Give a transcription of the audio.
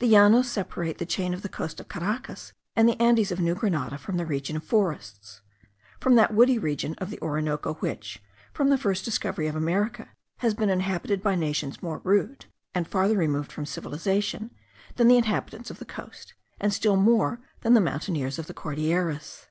The Llanos separate the chain of the coast of Caracas and the Andes of New Grenada from the region of forests; from that woody region of the Orinoco which, from the first discovery of America, has been inhabited by nations more rude, and farther removed from civilization, than the inhabitants of the coast, and still more than the mountaineers of the Cordilleras.